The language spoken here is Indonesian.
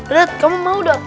red kamu mau dok